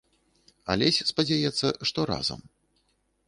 Алесь спадзяецца, што разам.